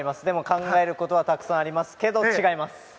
考えることはたくさんありますけど違います。